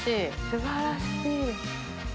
すばらしい。